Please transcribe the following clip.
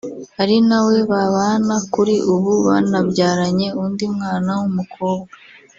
ari nawe babana kuri ubu banabyaranye undi umwana w’umukobwa